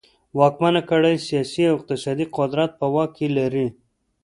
واکمنه کړۍ سیاسي او اقتصادي قدرت په واک کې لري.